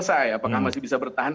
apakah masih bisa bertahan